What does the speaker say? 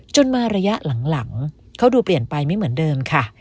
จนมาระยะหลังเขาดูเปลี่ยนไปไม่เหมือนเดิมค่ะ